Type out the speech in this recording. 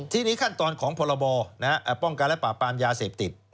ทีนี้ขั้นตอนของพรบป้องกันและปราบปรามยาเสพติด